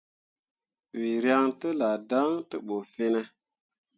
Wǝ ryaŋ tellah dan te ɓu fine ?